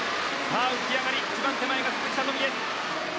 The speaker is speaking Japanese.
浮き上がり一番手前が鈴木聡美です。